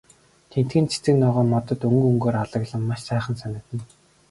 Тэндхийн цэцэг ногоо, модод өнгө өнгөөр алаглан маш сайхан санагдана.